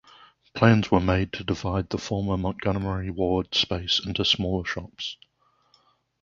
Plans were also made to divide the former Montgomery Ward space into smaller shops.